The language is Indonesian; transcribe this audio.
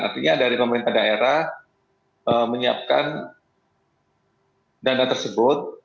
artinya dari pemerintah daerah menyiapkan dana tersebut